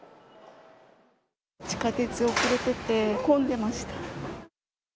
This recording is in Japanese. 地下鉄遅れてて、混んでました。